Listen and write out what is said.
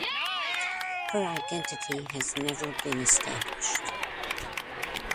Her identity has never been established.